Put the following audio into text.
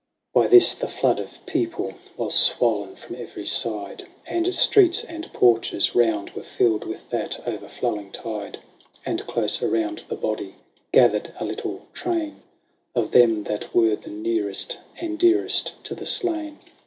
By this the flood of people was swollen from every side. And streets and porches round were filled with that o'erflowing tide ; And close around the body gathered a little train Of them that were the nearest and dearest to the slain.